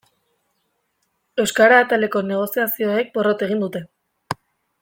Euskara ataleko negoziazioek porrot egin dute.